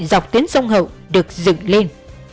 dọc tuyến sông hậu được dựng lên